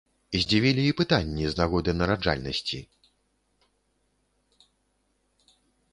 Здзівілі і пытанні з нагоды нараджальнасці.